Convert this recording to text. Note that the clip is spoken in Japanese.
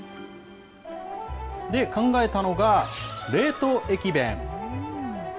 で、考えたのが、冷凍駅弁。